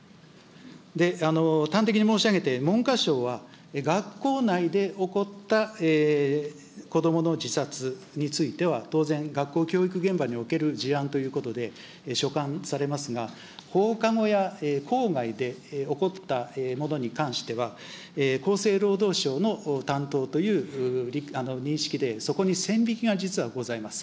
で、端的に申し上げて、文科省は学校内で起こった子どもの自殺については、当然、学校教育現場における事案ということで、所管されますが、放課後や校外で起こったものに関しては、厚生労働省の担当という認識で、そこに線引きが実はございます。